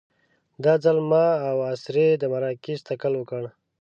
دا ځل ما او اسرې د مراکش تکل وکړ.